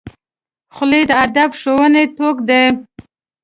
خولۍ د ادب ښوونې توک دی.